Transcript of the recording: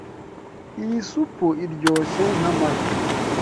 Iyi supu iryoshye nkamafi.